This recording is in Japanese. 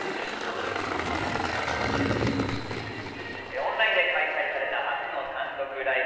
オンラインで開催された初の単独ライブ。